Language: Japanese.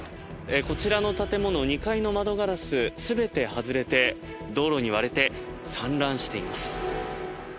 こちらの建物２階の窓ガラス全て外れて道路に割れて散乱しています。